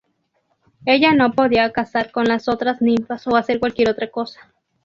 Ella no podía cazar con las otras ninfas, o hacer cualquier otra cosa.